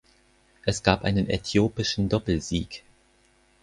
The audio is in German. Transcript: Es gab einen äthiopischen Doppelsieg.